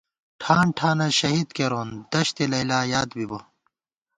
ٹھان ٹھانہ شہید کېرون دشت لیلٰی یادبِبہ